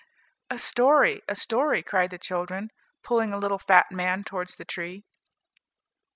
"A story, a story," cried the children, pulling a little fat man towards the tree.